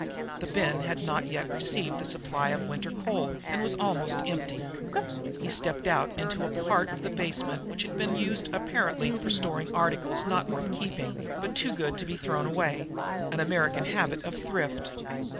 The bin had not yet received the supply of winter coal and was almost empty. He stepped out of it into a part of the basement which had been used apparently for storing articles not worth keeping, but too good to be thrown away an American habit of thrift.